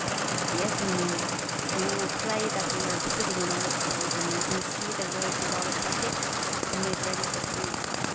"Yes, mi nina, and we will play that we are visiting an olive grove, and we can see the way the olives are picked and made ready for food.